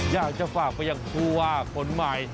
อยากจะฝากไปยังผู้ว่าคนใหม่